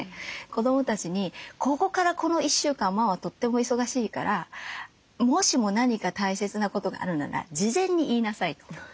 子どもたちに「ここからこの１週間ママとっても忙しいからもしも何か大切なことがあるなら事前に言いなさい」と。